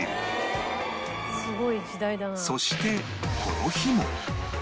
そしてこの日も